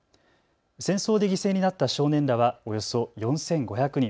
戦争で犠牲になった少年らはおよそ４５００人。